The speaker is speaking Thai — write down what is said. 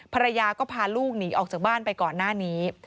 ภรรยาก็พาลูกหนีออกจากบ้านไปก่อนหน้านี้